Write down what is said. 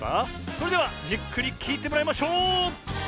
それではじっくりきいてもらいましょう！